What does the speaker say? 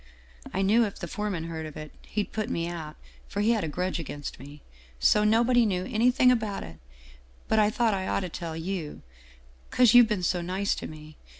I knew if the foreman heard of it, he'd put me out, for he had a grudge against me. So nobody knew anything about it. But I thought I ought to tell you, 'cause you've been so nice to me.